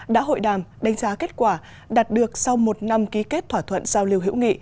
đã hội đàm đánh giá kết quả đạt được sau một năm ký kết thỏa thuận giao lưu hữu nghị